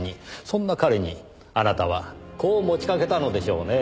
そんな彼にあなたはこう持ちかけたのでしょうねぇ。